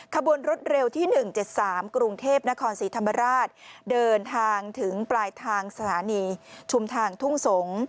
ขบวนรถเร็วที่๑๗๓กรุงเทพนครศรีธรรมราชเดินทางถึงปลายทางสถานีชุมทางทุ่งสงศ์